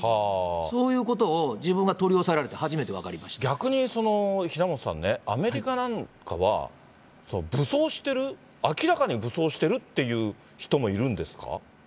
そういうことを自分が取り押逆に、平本さんね、アメリカなんかは、武装してる、明らかに武装してるっていう人もいるんですか？